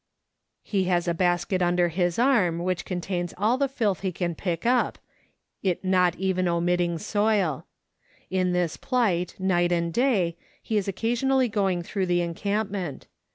He has a basket under his arm, which contains all the filth he can pick up, not even omitting soil. In this plight, night and day, he is occasionally going through the encampment.